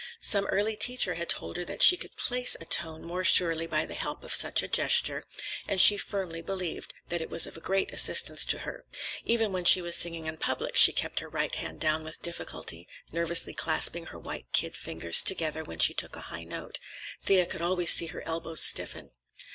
Some early teacher had told her that she could "place" a tone more surely by the help of such a gesture, and she firmly believed that it was of great assistance to her. (Even when she was singing in public, she kept her right hand down with difficulty, nervously clasping her white kid fingers together when she took a high note. Thea could always see her elbows stiffen.)